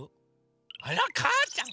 あらかーちゃん